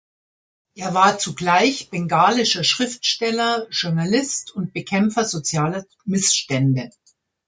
Er war zugleich bengalischer Schriftsteller, Journalist und Bekämpfer sozialer Missstände.